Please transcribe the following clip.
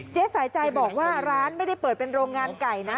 สายใจบอกว่าร้านไม่ได้เปิดเป็นโรงงานไก่นะ